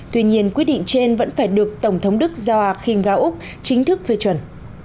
tuy nhiên quyết định trên vẫn phải được tổng thống đức joachim gauck chính thức phê chuẩn